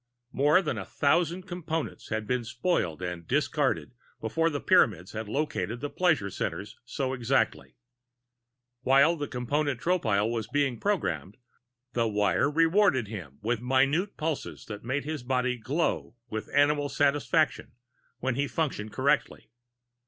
More than a thousand Components had been spoiled and discarded before the Pyramids had located the pleasure centers so exactly. While the Component, Tropile, was being "programmed," the wire rewarded him with minute pulses that made his body glow with animal satisfaction when he functioned correctly.